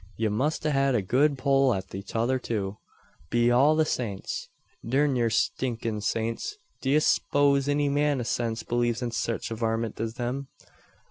Ye must a had a good pull at the tother, too." "Be all the saints " "Durn yur stinkin' saints! D'you s'pose any man o' sense believes in sech varmint as them?